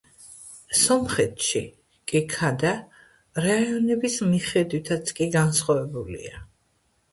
სომხეთში კი ქადა რაიონების მიხედვითაც კი განსხვავებულია.